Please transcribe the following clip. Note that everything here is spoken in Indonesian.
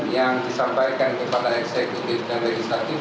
yang disampaikan kepada eksekutif dan legislatif